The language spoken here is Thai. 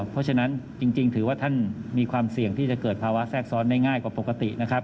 เพราะฉะนั้นจริงถือว่าท่านมีความเสี่ยงที่จะเกิดภาวะแทรกซ้อนได้ง่ายกว่าปกตินะครับ